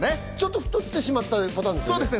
太ってしまったパターンですよね。